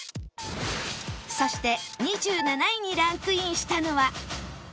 そして２７位にランクインしたのは